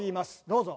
どうぞ。